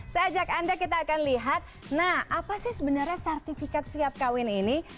saya ajak anda kita akan lihat nah apa sih sebenarnya sertifikat siap kawin ini